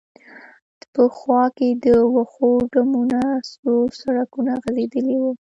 په خوا کې د وښو ډمونه، څو سړکونه غځېدلي و.